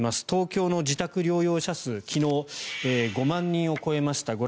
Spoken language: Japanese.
東京の自宅療養者数昨日、５万人を超えました。